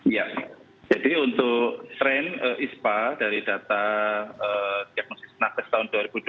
ya jadi untuk tren ispa dari data diagnosis nakes tahun dua ribu dua puluh